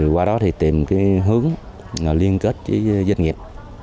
qua đó thì tìm cái hướng liên kết với doanh nghiệp